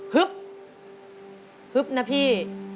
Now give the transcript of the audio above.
ฮึบฮึบนะพี่